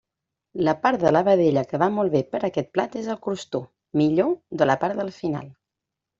La part de la vedella que va molt bé per a aquest plat és el crostó, millor de la part del final.